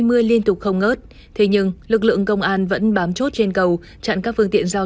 mưa liên tục không ngớt thế nhưng lực lượng công an vẫn bám chốt trên cầu chặn các phương tiện giao